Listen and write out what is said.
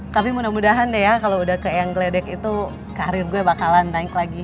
tapi mudah mudahan deh ya kalau udah ke yang gledek itu karir gue bakalan naik lagi